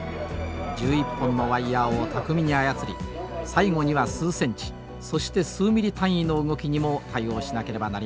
１１本のワイヤーを巧みに操り最後には数センチそして数ミリ単位の動きにも対応しなければなりません。